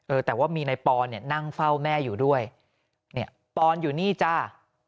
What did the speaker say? เออแต่ว่ามีนายปอนเนี่ยนั่งเฝ้าแม่อยู่ด้วยเนี่ยปอนอยู่นี่จ้า